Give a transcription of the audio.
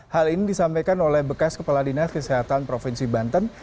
hal ini disampaikan oleh bekas kepala dinas kesehatan provinsi banten